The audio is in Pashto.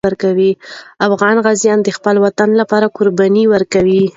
افغان غازي د خپل وطن لپاره قرباني ورکوي.